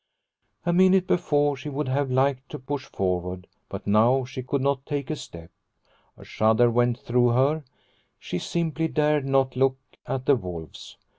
A minute before she would have liked to The Fox pit 121 push forward, but now she could not take a step. A shudder went through her, she simply dared not look at the wolves.